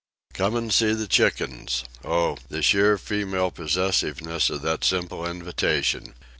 Come and see the chickens!—Oh, the sheer female possessiveness of that simple invitation!